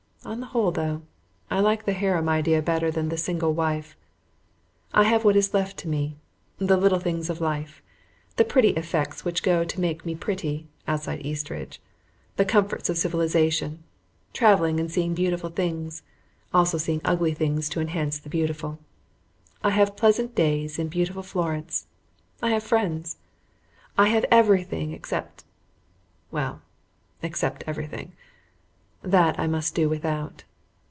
On the whole, though, I like the harem idea better than the single wife. I have what is left to me the little things of life, the pretty effects which go to make me pretty (outside Eastridge); the comforts of civilization, travelling and seeing beautiful things, also seeing ugly things to enhance the beautiful. I have pleasant days in beautiful Florence. I have friends. I have everything except well, except everything. That I must do without.